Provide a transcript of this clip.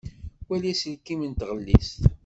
Wali aselkin n tɣellist.